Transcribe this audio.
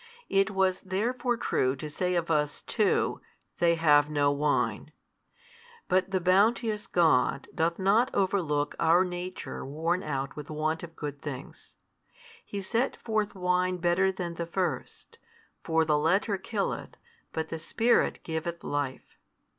It was therefore true to say of us too, They have no wine. But the Bounteous God doth not overlook our nature worn out with want of good things. He set forth wine better than the first, for the letter killeth, but the Spirit giveth life.